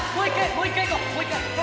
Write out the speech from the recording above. もう一回。